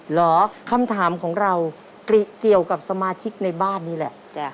เหรอคำถามของเรากริเกี่ยวกับสมาชิกในบ้านนี่แหละ